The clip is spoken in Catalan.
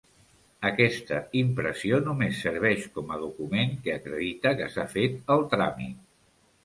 Aquesta impressió només serveix com a document que acredita que s'ha fet el tràmit.